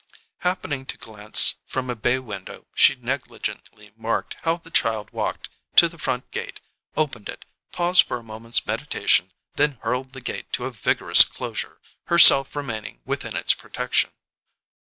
Happening to glance from a bay window, she negligently marked how the child walked to the front gate, opened it, paused for a moment's meditation, then hurled the gate to a vigorous closure, herself remaining within its protection.